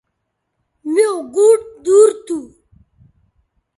میوں گوٹ دور تھو